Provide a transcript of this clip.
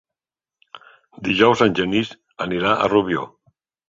Dijous en Genís anirà a Rubió.